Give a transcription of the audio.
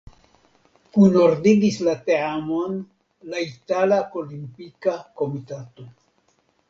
Kunordigis la teamon la Itala Olimpika Komitato.